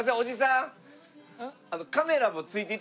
ん？